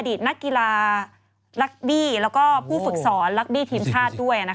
อดีตนักกีฬารักบีแล้วก็ผู้ฝึกสอนรักบีทีมภาษณ์ด้วยนะคะ